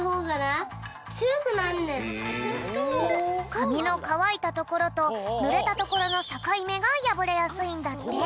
かみのかわいたところとぬれたところのさかいめがやぶれやすいんだって。